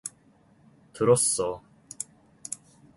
들었어.